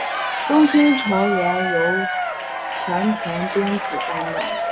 中心成员由前田敦子担当。